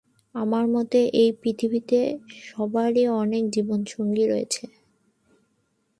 আমার মতে, এই পৃথিবীতে, সবারই অনেক জীবনসঙ্গী রয়েছে।